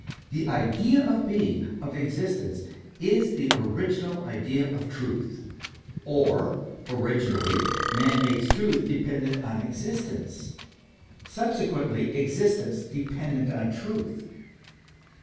The idea of being, of existence, is the original idea of truth; or, originally, man makes truth dependent on existence, subsequently, exist tence dependent on truth.